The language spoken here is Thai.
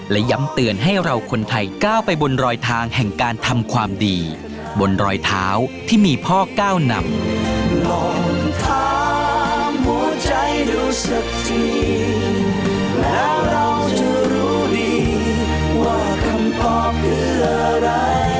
และย้ำเตือนให้เราคนไทยก้าวไปบนรอยทางแห่งการทำความดีบนรอยเท้าที่มีพ่อก้าวนำ